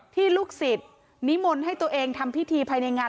ลูกศิษย์นิมนต์ให้ตัวเองทำพิธีภายในงาน